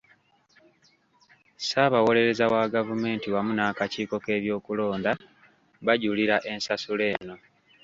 Ssaabawolereza wa gavumenti wamu n'akakiiko k'ebyokulonda bajulira ensala eno.